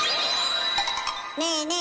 ねえねえ